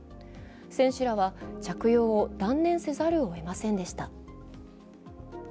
選手らは着用を断念せざるをえませんでした。